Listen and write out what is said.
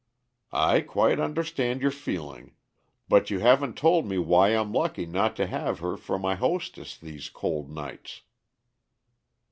"I quite understand your feeling; but you haven't told me why I'm lucky not to have her for my hostess these cold nights."